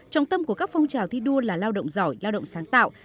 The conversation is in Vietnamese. trọng tâm của các phong trào thi đua là lao động giỏi lao động sáng tạo